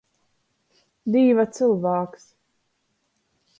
Dīva cylvāks.